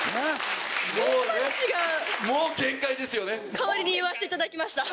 代わりに言わせていただきました。